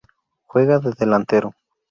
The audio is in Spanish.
Juega de delantero..